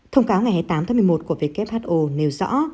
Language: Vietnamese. thông cáo ngày hai mươi tám tháng một mươi một của who nêu rõ